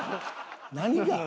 何が？